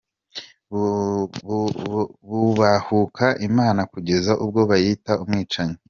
Bubahuka Imana kugeza ubwo bayita umwicanyi’.